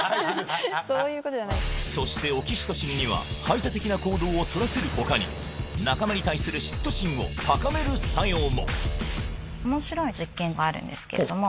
そしてオキシトシンには排他的な行動をとらせる他に仲間に対する嫉妬心を高める作用も面白い実験があるんですけれども。